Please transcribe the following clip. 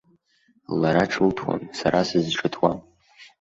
Лара ҿылҭуам, сара сызҿыҭуам.